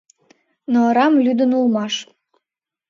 Но арам лӱдын улмаш...